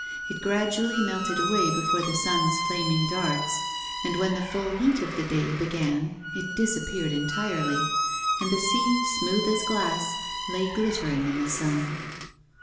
It gradually melted away before the sun's flaming darts, and when the full heat of the day began it disappeared entirely, and the sea, smooth as glass, lay glittering in the sun.